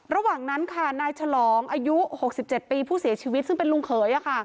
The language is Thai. ระหว่างนั้นค่ะนายฉลองอายุ๖๗ปีผู้เสียชีวิตซึ่งเป็นลุงเขย